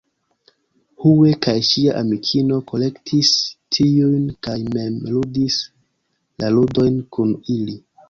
Hue kaj ŝia amikino kolektis tiujn kaj mem ludis la ludojn kun ili.